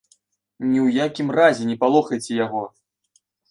Ні ў якім разе не палохайце яго!